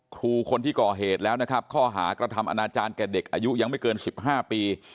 ครูคนที่ก่อเหตุแล้วนะครับข้อหากระทำอนาจารย์แก่เด็กอายุยังไม่เกิน๑๕ปี